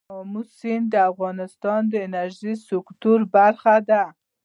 آمو سیند د افغانستان د انرژۍ سکتور برخه ده.